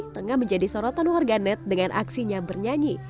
tengah menjadi sorotan warganet dengan aksinya bernyanyi